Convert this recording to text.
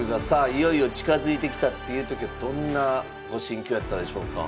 いよいよ近づいてきたっていう時はどんなご心境やったでしょうか？